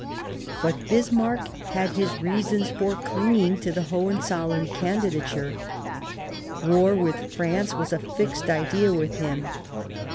But Bismarck had his reasons for clinging to the Hohenzollern candidature ; war with France was a fixed idea with him.